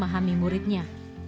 lebih mampu memahami muridnya